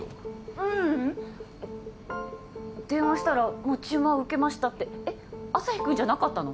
ううん電話したらもう注文は受けましたってえっ旭君じゃなかったの？